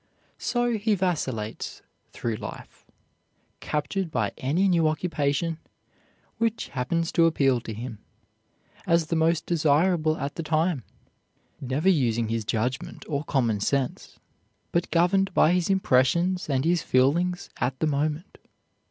So he vacillates through life, captured by any new occupation which happens to appeal to him as the most desirable at the time, never using his judgment or common sense, but governed by his impressions and his feelings at the moment.